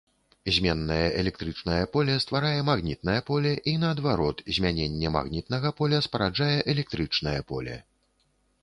Зменнае электрычнае поле стварае магнітнае поле, і наадварот змяненне магнітнага поля спараджае электрычнае поле.